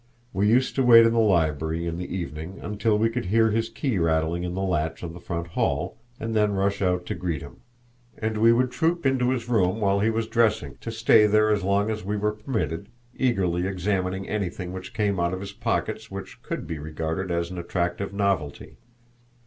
We used to wait in the library in the evening until we could hear his key rattling in the latch of the front hall, and then rush out to greet him; and we would troop into his room while he was dressing, to stay there as long as we were permitted, eagerly examining anything which came out of his pockets which could be regarded as an attractive novelty.